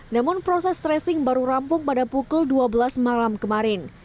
namun proses tracing baru rampung pada pukul dua belas malam kemarin